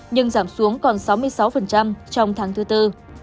nhưng giảm xuống còn sáu mươi sáu trong tháng thứ tư